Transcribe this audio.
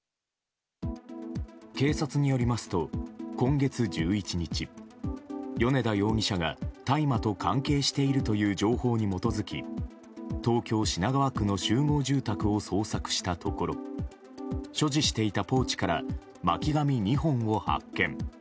警察によりますと、今月１１日米田容疑者が大麻と関係しているという情報に基づき東京・品川区の集合住宅を捜索したところ所持していたポーチから巻紙２本を発見。